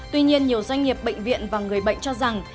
tuy nhiên nhiều doanh nghiệp bệnh viện và người bệnh cho rằng